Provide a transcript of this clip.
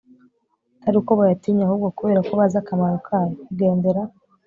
atari uko bayatinya ahubwo kubera ko bazi akamaro kayo. kugendera